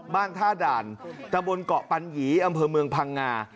บ้านท่าด่านตะบนเกาะปัญหยีอำเภอเมืองพังงา